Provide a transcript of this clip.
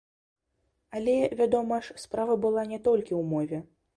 Але, вядома ж, справа была не толькі ў мове.